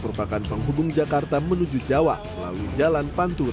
merupakan penghubung jakarta menuju jawa melalui jalan pantura